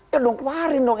ya dong keluarin dong